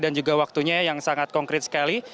dan juga waktunya yang sangat konkret sekali